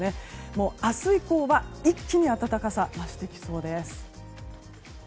明日以降は一気に暖かさが増してきそうです。